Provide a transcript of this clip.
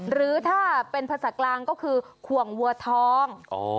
หรือถ้าเป็นภาษากลางก็คือขวงวัวทอง